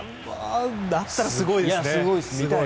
だったらすごいですね。